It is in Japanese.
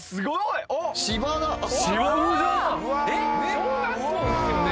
「小学校ですよね